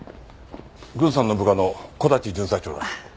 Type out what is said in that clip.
郡さんの部下の木立巡査長だ。